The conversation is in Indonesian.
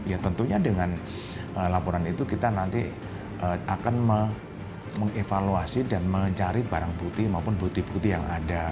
ya tentunya dengan laporan itu kita nanti akan mengevaluasi dan mencari barang bukti maupun bukti bukti yang ada